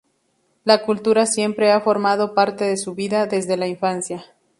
La cultura siempre ha formado parte de su vida, desde la infancia.